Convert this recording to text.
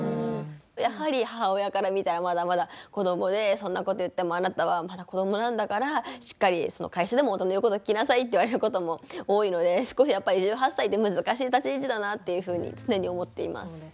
やはり母親から見たらまだまだ子どもで「そんなこと言ってもあなたはまだ子どもなんだからしっかり会社でも大人の言うこと聞きなさい」って言われることも多いのでやっぱり１８歳って難しい立ち位置だなっていうふうに常に思っています。